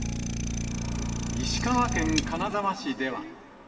石川県金沢市では。